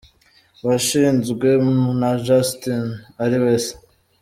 washinzwe na Justin ari we se.